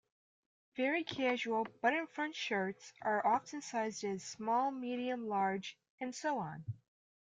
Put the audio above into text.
Very casual button-front shirts are often sized as small, medium, large, and so on.